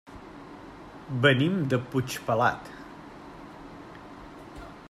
Venim de Puigpelat.